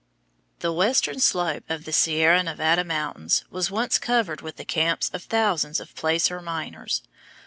The western slope of the Sierra Nevada mountains was once covered with the camps of thousands of placer miners.